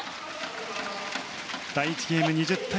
第１ゲーム、２０対１７。